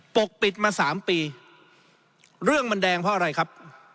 ปกปิดมาสามปีเรื่องมันแดงเพราะอะไรครับ